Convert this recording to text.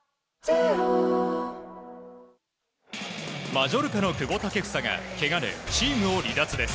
マジョルカの久保建英がけがでチームを離脱です。